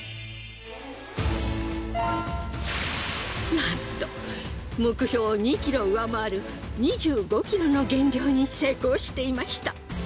なんと目標を２ｋｇ上回る２５ｋｇの減量に成功していました。